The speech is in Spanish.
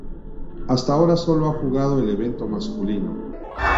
Hasta ahora solo ha jugado el evento masculino.